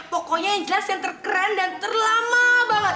pokoknya yang jelas yang terkeren dan terlama banget